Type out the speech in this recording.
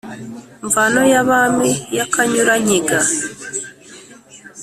mvano ya bami ya kanyura-nkiga